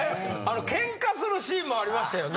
ケンカするシーンもありましたよね。